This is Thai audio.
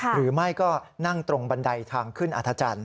หรือไม่ก็นั่งตรงบันไดทางขึ้นอัธจันทร์